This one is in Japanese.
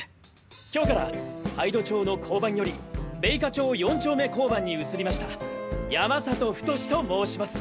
今日から杯戸町の交番より米花町四丁目交番に移りました山里太志と申します！